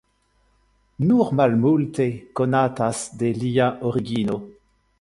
Nur malmulte konatas de lia origino.